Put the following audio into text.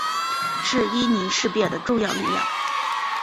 是伊宁事变的重要力量。